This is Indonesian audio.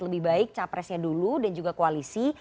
lebih baik capresnya dulu dan juga koalisi